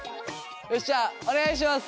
よしじゃあお願いします。